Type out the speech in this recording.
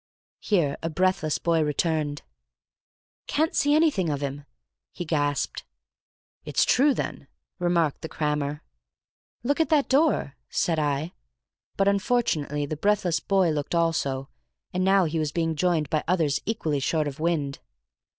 Here a breathless boy returned. "Can't see anything of him," he gasped. "It's true, then," remarked the crammer. "Look at that door," said I. But unfortunately the breathless boy looked also, and now he was being joined by others equally short of wind.